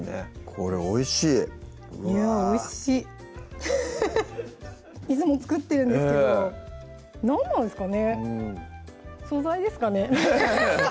これおいしいいやおいしいいつも作ってるんですけど何なんですかね素材ですかね？